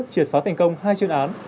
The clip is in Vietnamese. triệt phá thành công hai chuyên án